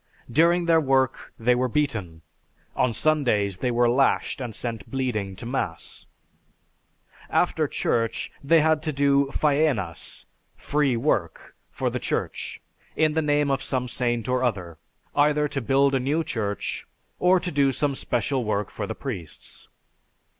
During their work they were beaten. On Sundays they were lashed and sent bleeding to Mass. After Church they had to do Faenas (free work) for the Church, in the name of some saint or other either to build a new church or do some special work for the priests.